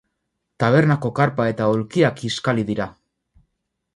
Tabernako karpa eta aulkiak kiskali dira.